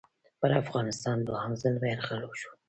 پر افغانستان دوهم ځل یرغل وشو.